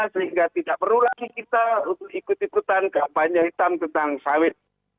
sehingga tidak perlu lagi kita untuk ikut ikutan kampanye hitam tentang sawit